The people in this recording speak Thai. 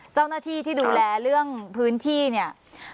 เจ้าหน้าที่ที่ดูแลเรื่องพื้นที่เนี่ย